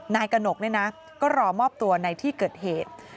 นายกระหนกเนี่ยนะก็รอมอบตัวในที่เกิดเหตุ